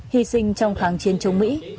hy sinh trong kháng chiến chống mỹ